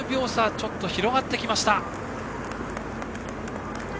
ちょっと広がってきました。